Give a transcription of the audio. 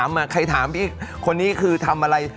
แค่ถามอ่ะใครถามพี่คนนี้คือถำอะไร